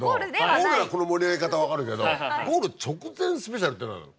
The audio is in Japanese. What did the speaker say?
ゴールならこの盛り上げ方分かるけどゴール直前スペシャルって何なの？